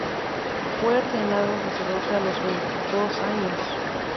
Fue ordenado sacerdote a los veintidós años.